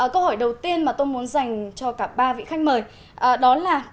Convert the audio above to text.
câu hỏi đầu tiên mà tôi muốn dành cho cả ba vị khách mời đó là